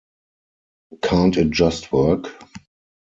Can't it just work?